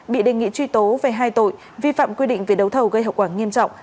bị đề nghị truy tố về hai tội vi phạm quy định về đấu thầu gây hậu quả nghiêm trọng